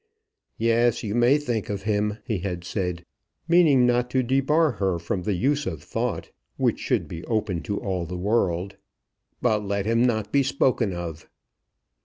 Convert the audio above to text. "Yes, you may think of him," he had said, meaning not to debar her from the use of thought, which should be open to all the world, "but let him not be spoken of."